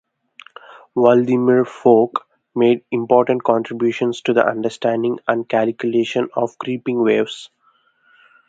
Vladimir Fock made important contributions to the understanding and calculation of creeping waves.